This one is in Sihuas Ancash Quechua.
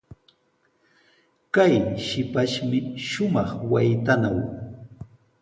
Kay shipashmi shumaq waytanaw.